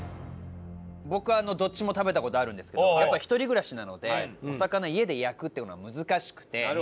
僕どっちも食べた事あるんですけどやっぱ一人暮らしなのでお魚を家で焼くっていうのは難しくて。